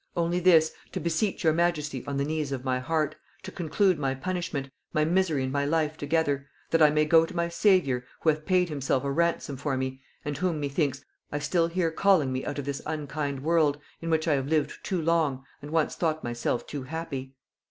Only this, to beseech your majesty on the knees of my heart, to conclude my punishment, my misery and my life together; that I may go to my Saviour, who hath paid himself a ransom for me, and whom, methinks, I still hear calling me out of this unkind world, in which I have lived too long, and once thought myself too happy.